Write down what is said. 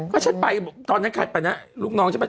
ก็ฉันไปตอนนั้นขัดไปนะลูกน้องฉันไป